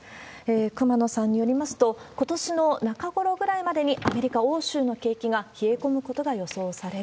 熊野さんによりますと、ことしの中ごろぐらいまでに、アメリカ、欧州の景気が冷え込むことが予想される。